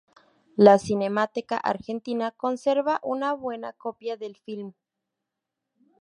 La Cinemateca Argentina conserva una buena copia del filme.